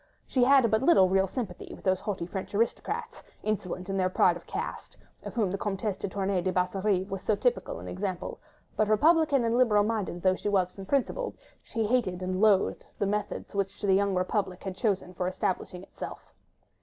She had but little real sympathy with those haughty French aristocrats, insolent in their pride of caste, of whom the Comtesse de Tournay de Basserive was so typical an example; but, republican and liberal minded though she was from principle, she hated and loathed the methods which the young Republic had chosen for establishing itself.